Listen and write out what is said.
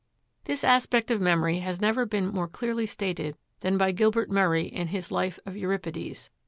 This aspect of memory has never been more clearly stated than by Gilbert Murray in his Life of Euripides.